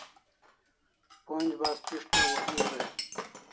Pon'j bas pishtaw o ew dai